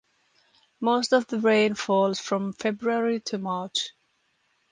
Most of the rain falls from February to March.